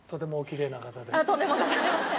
とんでもございません。